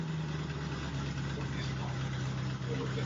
Sus hermanos se niegan violentamente a renunciar a sus ricas vidas.